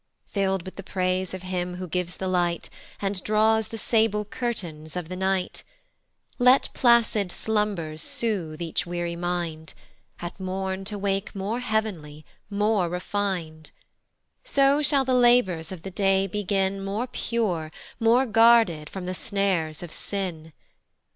Fill'd with the praise of him who gives the light, And draws the sable curtains of the night, Let placid slumbers sooth each weary mind, At morn to wake more heav'nly, more refin'd; So shall the labours of the day begin More pure, more guarded from the snares of sin.